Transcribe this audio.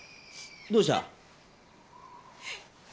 どうした？